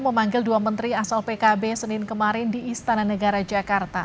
memanggil dua menteri asal pkb senin kemarin di istana negara jakarta